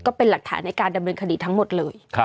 ก็เป็นหลักฐานในการดำเนินคดีทั้งหมดเลย